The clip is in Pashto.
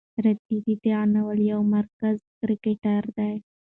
رېدی د دغه ناول یو مرکزي کرکټر دی.